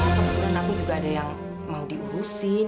keturunan aku juga ada yang mau diugusin